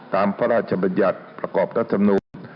ตามพระราชบัญญัติประกอบรัฐนุน